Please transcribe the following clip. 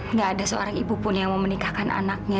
nggak ada seorang ibu pun yang mau menikahkan anaknya